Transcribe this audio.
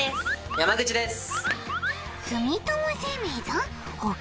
山口です。